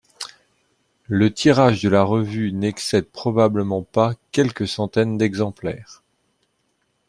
Le tirage de la revue n'excède probablement pas quelques centaines d'exemplaires.